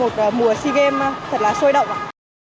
đóng góp cho một mùa sea games thật là sôi động